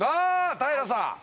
平さん！